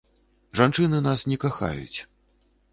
Жанчыны нас не кахаюць.